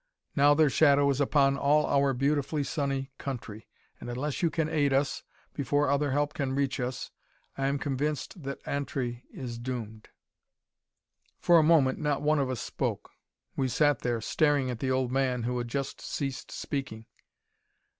Now their shadow is upon all our beautifully sunny country, and unless you can aid us, before other help can reach us, I am convinced that Antri is doomed!" For a moment not one of us spoke. We sat there, staring at the old man who had just ceased speaking.